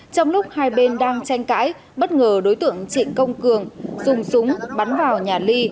trong lúc hai bên đang tranh cãi bất ngờ đối tượng trịnh công cường dùng súng bắn vào nhà ly